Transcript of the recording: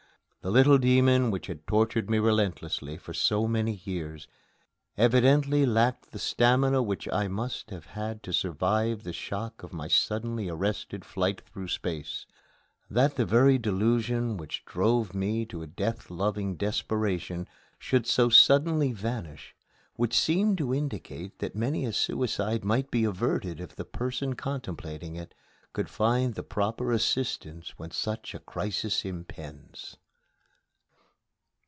The little demon which had tortured me relentlessly for so many years evidently lacked the stamina which I must have had to survive the shock of my suddenly arrested flight through space. That the very delusion which drove me to a death loving desperation should so suddenly vanish would seem to indicate that many a suicide might be averted if the person contemplating it could find the proper assistance when such a crisis impends.